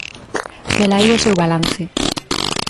Velaí o seu balance.